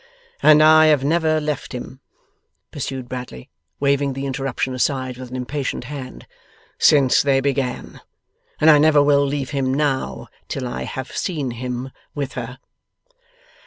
'And I have never left him,' pursued Bradley, waving the interruption aside with an impatient hand, 'since they began. And I never will leave him now, till I have seen him with her.